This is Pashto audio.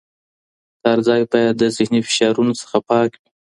کار ځای باید د ذهني فشارونو نه پاک وي.